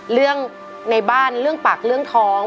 เรื่องในบ้านเรื่องปากเรื่องท้อง